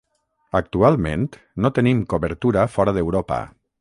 Actualment, no tenim cobertura fora d'Europa.